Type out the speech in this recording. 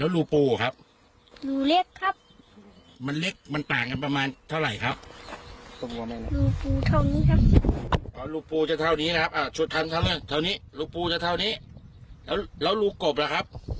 โอ้ลูกกบโอ้ยลูกกบอะไรเนี่ยลูก